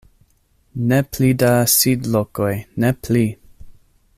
"Ne pli da sidlokoj, ne pli!"